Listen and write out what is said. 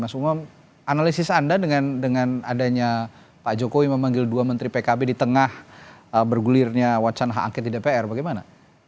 mas umam analisis anda dengan adanya pak jokowi memanggil dua menteri pkb di tengah bergulirnya wacana hak angket di dpr bagaimana